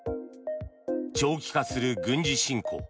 長期化する軍事侵攻。